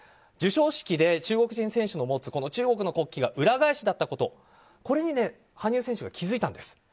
授賞式で中国人選手の持つ中国の国旗が裏返しだったことこれに羽生選手が気づいたんです。